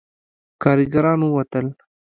کارګران ووتل.